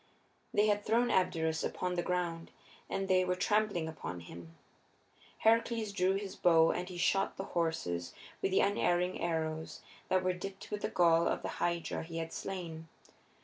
They had thrown Abderus upon the ground, and they were trampling upon him. Heracles drew his bow and he shot the horses with the unerring arrows that were dipped with the gall of the Hydra he had slain.